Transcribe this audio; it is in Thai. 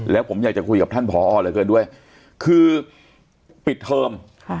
แล้วผมอยากจะคุยกับท่านผอเหลือเกินด้วยคือปิดเทอม